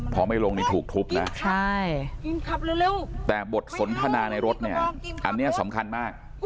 พอไม่ลงนี่ถูกทุบนะแต่บทสนทนาในรถเนี่ยอันเนี่ยสำคัญมาก